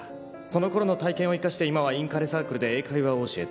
「そのころの体験を生かして今はインカレサークルで英会話を教えています」